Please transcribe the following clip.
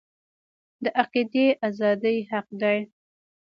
د عقیدې ازادي حق دی